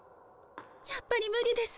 やっぱりむりです